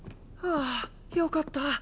はあよかった。